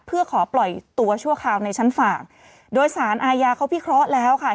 เพื่อขอปล่อยตัวชั่วคราวในชั้นฝ่างโดยสารอาญาเขาพิเคราะห์แล้วค่ะ